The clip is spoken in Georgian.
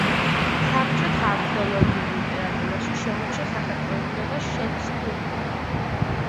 საბჭოთა არქეოლოგიურ ლიტერატურაში შემორჩა სახელწოდება „შელის კულტურა“.